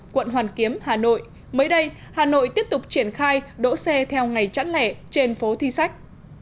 quận hoàn kiếm hà nội mới đây hà nội tiếp tục triển khai đỗ xe theo ngày chẵn lẻ trên phố thi sách